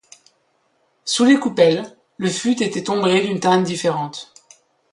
Sous les coupelles le fût était ombré d'une teinte différente.